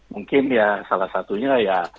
mungkin ya salah satunya ya